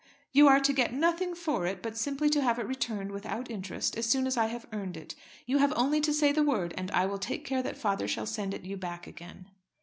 "You are to get nothing for it, but simply to have it returned, without interest, as soon as I have earned it. You have only to say the word and I will take care that father shall send it you back again."